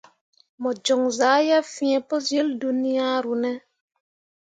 Mo joŋ zah yeb fee pǝ syil dunyaru ne ?